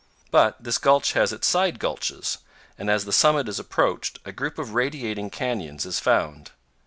But this gulch has its side gulches, and as the summit is approached a group of radiating canyons is found.